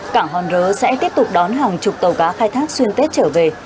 cảng hòn rớ sẽ tiếp tục đón hàng chục tàu cá khai thác xuyên tết trở về